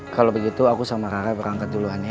kalau begitu aku sama rara berangkat duluan ya